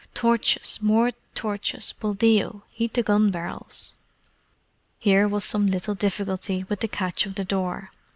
Torches! More torches! Buldeo, heat the gun barrels!" Here was some little difficulty with the catch of the door.